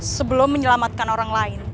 sebelum menyelamatkan orang lain